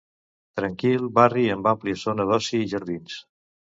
Tranquil barri amb àmplia zona d'oci i jardins.